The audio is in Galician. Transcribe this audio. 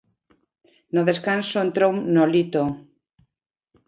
No descanso entrou Nolito.